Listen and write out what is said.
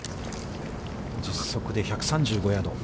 実測で１３５ヤード。